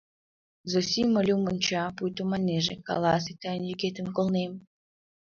— Зосим Олюм онча, пуйто маннеже: каласе, тыйын йӱкетым колнем.